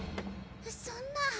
そんな。